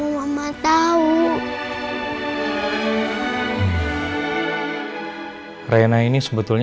aku mah liat mama om